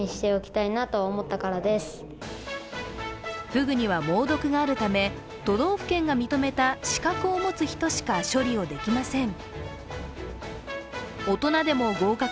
フグには猛毒があるため、都道府県が認めた資格を持つ人しか処理をできません。